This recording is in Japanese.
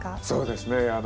そうですね。